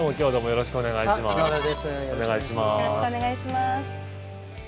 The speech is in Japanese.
よろしくお願いします。